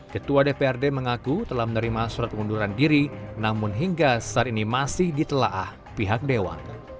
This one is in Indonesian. ketua dprd mengaku telah menerima surat pengunduran diri namun hingga saat ini masih ditelaah pihak dewan